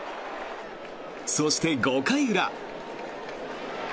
そして、５回裏。